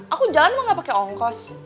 aku jalan mah gak pakai ongkos